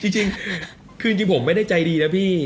จริงคือจริงผมไม่ได้ใจดีนะพี่